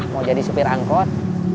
mau jadi supir angkot